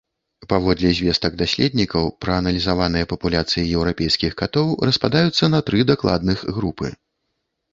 Паводле звестак даследнікаў, прааналізаваныя папуляцыі еўрапейскіх катоў распадаюцца на тры дакладных групы.